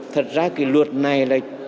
thật ra cái luật này là